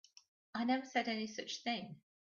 I never said any such thing.